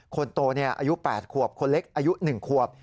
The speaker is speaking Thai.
คนโตอยู่๘ควบคนเล็กอายุหนึ่งควบ